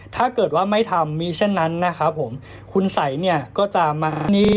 ถ้าเกิดว่าไม่ทำมีเช่นนั้นนะครับผมคุณสัยเนี่ยก็จะมานี่